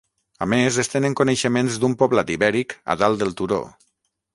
A més es tenen coneixements d'un poblat ibèric a dalt del turó.